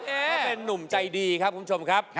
เขาเป็นนุ่มใจดีครับคุณผู้ชมครับ